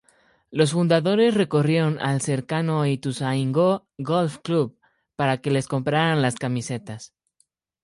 Los fundadores recurrieron al cercano Ituzaingó Golf Club para que les compraran las camisetas.